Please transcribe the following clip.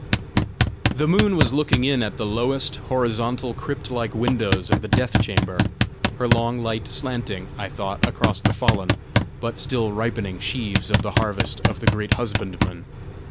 The moon was looking in at the lowest, horizontal, crypt like windows of the death chamber, her long light slanting, I thought, across the fallen, but still ripening sheaves of the harvest of the great husbandman.